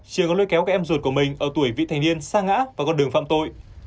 trường còn lôi kéo các em ruột của mình ở tuổi vị thành niên xa ngã vào con đường phạm tội